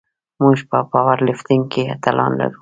موږ په پاور لفټینګ کې اتلان لرو.